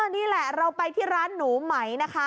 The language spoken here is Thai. นี่แหละเราไปที่ร้านหนูไหมนะคะ